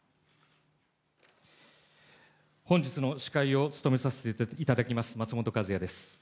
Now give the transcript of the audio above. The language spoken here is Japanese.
本日の司会を務めさせていただきます、まつもとかずやです。